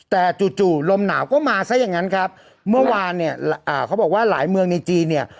แต่จู่จู่ลมหนาวก็มาซะอย่างงั้นครับเมื่อวานเนี่ยอ่าเขาบอกว่าหลายเมืองในจีนเนี่ย